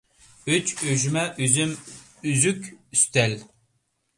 ئۈچ، ئۈجمە، ئۈزۈم، ئۈزۈك، ئۈستەل.